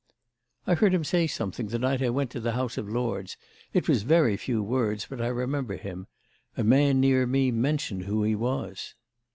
"I heard him say something the night I went to the House of Lords. It was very few words, but I remember him. A man near me mentioned who he was."